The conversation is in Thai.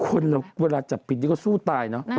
คนเราเวลาจับผิดนี่ก็สู้ตายเนอะ